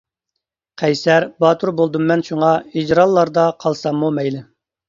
قەيسەر، باتۇر بولدۇممەن شۇڭا، ھىجرانلاردا قالساممۇ مەيلى.